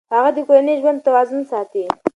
هغه د کورني ژوند توازن ساتي.